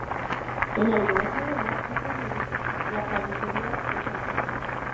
En algunas novelas posteriores reaparecería esta joven.